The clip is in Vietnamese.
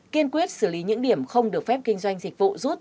kiên quyết xử lý những điểm không được phép kinh doanh dịch vụ rút